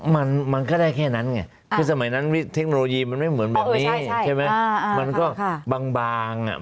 มันก็ได้แค่นั้นไงก็สมัยเทคโนโลยีมันไม่เหมือนอย่างนี้